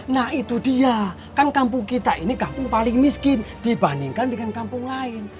nah itu dia kan kampung kita ini kampung paling miskin dibandingkan dengan kampung lain